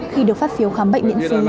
khi được phát phiếu khám bệnh